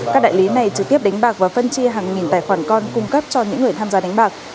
các đại lý này trực tiếp đánh bạc và phân chia hàng nghìn tài khoản con cung cấp cho những người tham gia đánh bạc